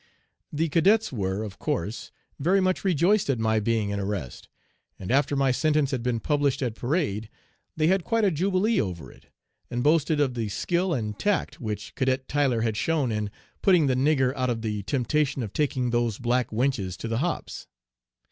"The cadets were, of course, very much rejoiced at my being 'in arrest,' and after my sentence had been published at parade, they had quite a jubilee over it, and boasted of 'the skill and tact which Cadet Tyler had shown in putting the nigger out of the temptation of taking those black wenches to the hops.'